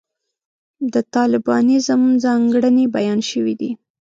د طالبانیزم ځانګړنې بیان شوې دي.